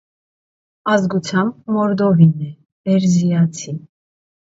Ազգությամբ մորդովին է (էրզիացի)։